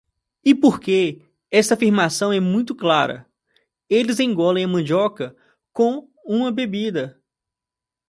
E porque esta afirmação é muito clara, eles engolem a mandioca com uma bebida.